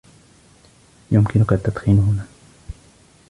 يمكنك التدخين هنا